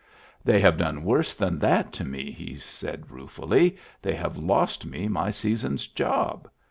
"They have done worse than that to me," he said ruefully. " They have lost me my season's job.